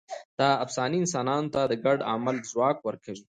دا افسانې انسانانو ته د ګډ عمل ځواک ورکوي.